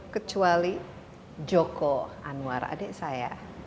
kecuali joko anwar adik saya